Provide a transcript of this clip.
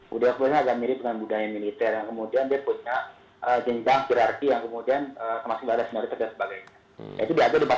budaya kepolisian agak mirip dengan budaya militer yang kemudian dia punya genggam kirarki yang kemudian kemasin badan senioritas dan sebagainya